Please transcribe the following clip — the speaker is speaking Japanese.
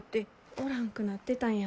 おらんくなってたんや。